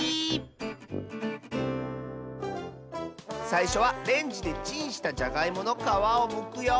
さいしょはレンジでチンしたじゃがいものかわをむくよ。